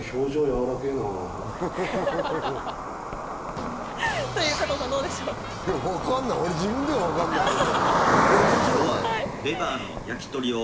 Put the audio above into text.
わかんない俺、自分では分かんないけど。